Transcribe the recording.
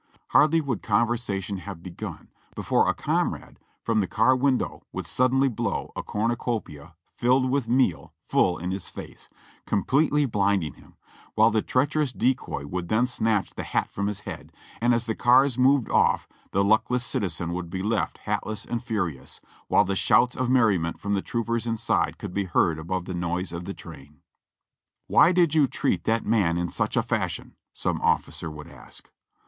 Hardly would conversation have begun before a comrade from the car window would suddenly blow a cornucopia filled with meal full in his face, completely blinding him, while the treacherous decoy would then snatch the hat from his head, and as the cars moved off the luckless citizen would be left hatless and furious, while the shouts of merriment from the troopers inside could be heard above the noise of the train. ''Why did you treat that man in such a fashion?" some officer would ask.